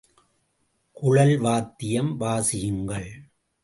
குழல் வாத்தியம் வாசியுங்கள்!